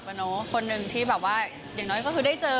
คนหนึ่งที่แบบว่าอย่างน้อยก็คือได้เจอ